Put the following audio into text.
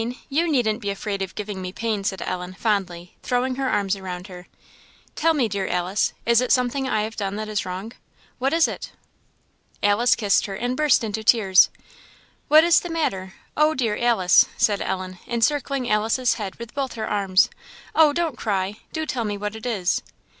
you needn't be afraid of giving me pain," said Ellen, fondly, throwing her arms around her. "Tell me, dear Alice; is it something I have done that is wrong? what is it?" Alice kissed her, and burst into tears. "What is the matter; oh, dear Alice!" said Ellen, encircling Alice's head with both her arms, "oh, don't cry! do tell me what it is!"